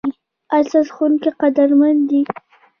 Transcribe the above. ایا ستاسو ښوونکي قدرمن دي؟